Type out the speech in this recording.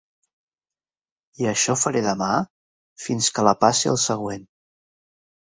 I això faré demà fins que la passi al següent.